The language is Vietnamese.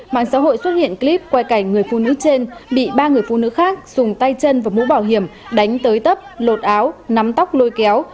mạng xã hội xuất hiện clip quay cảnh người phụ nữ trên bị ba người phụ nữ khác dùng tay chân và mũ bảo hiểm đánh tới tấp lột áo nắm tóc lôi kéo